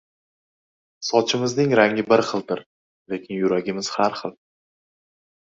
• Sochimiz rangi bir xildir, lekin yuragimiz har xil.